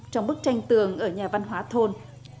trong bức tranh tường ở nhà văn hóa thôn